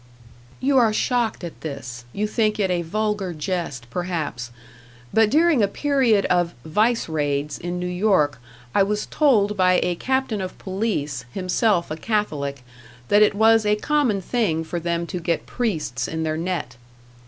You are shocked at this, you think it a vulgar jest, perhaps; but during a period of "vice raids" in New York I was told by a captain of police, himself a Catholic, that it was a common thing for them to get priests in their net.